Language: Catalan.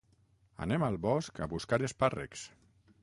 Anem al bosc a buscar espàrrecs